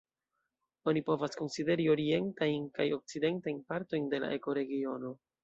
Oni povas konsideri orientajn kaj okcidentajn partojn de la ekoregiono.